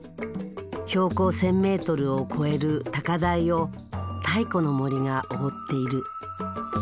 標高１，０００メートルを超える高台を太古の森が覆っている。